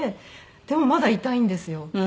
でもまだ痛いんですよ。